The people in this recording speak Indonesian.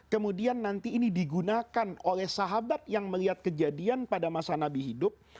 kemudian nanti ini digunakan oleh sahabat yang melihat kejadian pada masa nabi hidup